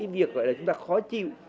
việc khó chịu